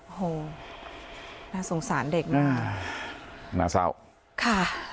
โอ้โหน่าสงสารเด็กนะน่าเศร้าค่ะ